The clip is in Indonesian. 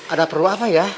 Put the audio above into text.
ada perlu apa ya